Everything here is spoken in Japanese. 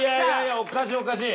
おかしいおかしい。